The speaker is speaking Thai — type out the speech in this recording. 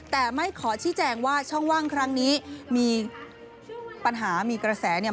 แต่ไม่ขอชี้แจงว่าช่องว่างครั้งนี้มีปัญหามีกระแสเนี่ย